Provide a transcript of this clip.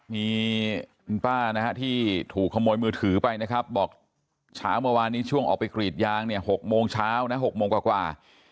คุณป้าที่ถูกขโมยมือถือไปนะครับบอกเช้าเมื่อวานนี้ช่วงออกไปกรีดยาง๖โมงเช้า๖โมงกว่ากว่า